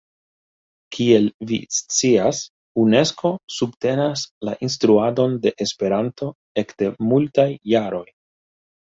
Kiel vi scias, Unesko subtenas la instruadon de Esperanto ekde multaj jaroj.